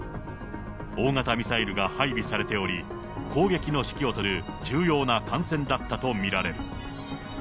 大型ミサイルが配備されており、攻撃の指揮を執る重要な艦船だったと見られる。